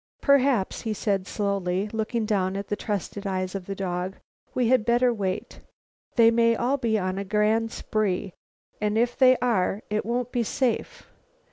"Perhaps," he said slowly, looking down into the trusting eyes of the dog, "we had better wait. They may all be on a grand spree. And if they are it won't be safe.